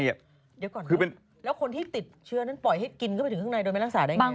เดี๋ยวก่อนคือแล้วคนที่ติดเชื้อนั้นปล่อยให้กินเข้าไปถึงข้างในโดยไม่รักษาได้ไง